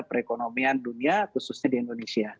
perekonomian dunia khususnya di indonesia